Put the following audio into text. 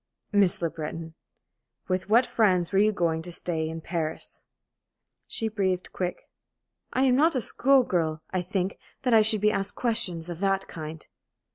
"Miss Le Breton, with what friends were you going to stay in Paris?" She breathed quick. "I am not a school girl, I think, that I should be asked questions of that kind."